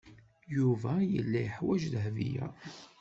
Yuba yella yeḥwaj Dahbiya.